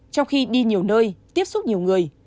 trong khi đi nhiều nơi tiếp xúc nhiều người